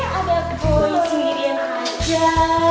eh ada boy sendiri yang ngajar